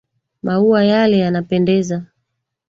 Maua yale yanapendeza .